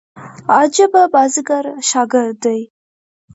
عجبه بازيګر شاګرد دئ.